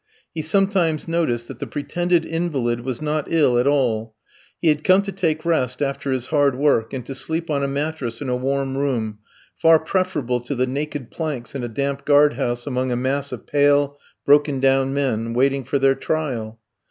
He sometimes noticed that the pretended invalid was not ill at all; he had come to take rest after his hard work, and to sleep on a mattress in a warm room, far preferable to the naked planks in a damp guard house among a mass of pale, broken down men, waiting for their trial.